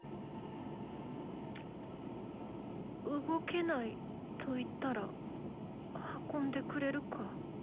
動けないと言ったら運んでくれるか？